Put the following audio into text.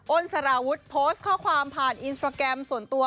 ้นสารวุฒิโพสต์ข้อความผ่านอินสตราแกรมส่วนตัว